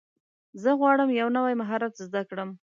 زه غواړم یو نوی مهارت زده کړم.